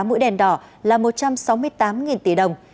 mũi đèn đỏ là một trăm sáu mươi tám tỷ đồng